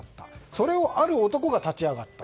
それをある男が立ち上がった。